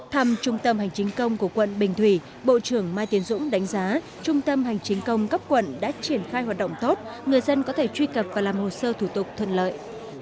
thăm trung tâm hành chính công của quận bình thủy bộ trưởng mai tiến dũng đánh giá trung tâm hành chính công cấp quận đã triển khai hoạt động tốt người dân có thể truy cập và làm hồ sơ thủ tục thuận lợi